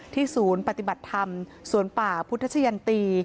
ศูนย์ปฏิบัติธรรมสวนป่าพุทธชะยันตี